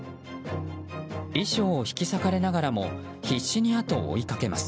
衣装を引き裂かれながらも必死にあとを追いかけます。